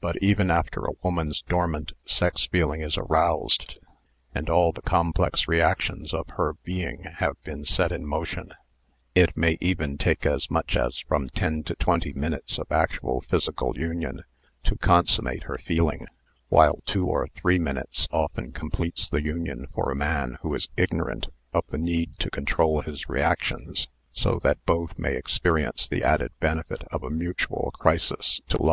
But even after a woman's dormant sex feeling is aroused andall the complex reactions of her being have been set in motion, it may even take as much as from ten to twenty minutes of actual physical union to con summate her feeling, while two or three minutes often completes the union for a man who is ignorant of the need to control his reactions so that both may experience the added benefit of a mutual crisis to love.